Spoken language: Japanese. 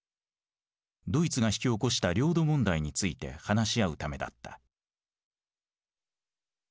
ドイツが引き起こした領土問題について話し合うためだった。